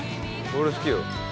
俺好きよ。